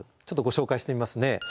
ちょっとご紹介してみますね。